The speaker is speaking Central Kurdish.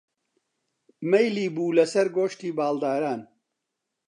مەیلی بوو لەسەر گۆشتی باڵداران